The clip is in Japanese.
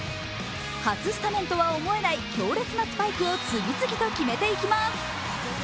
初スタメンとは思えない強烈なスパイクを次々と決めていきます。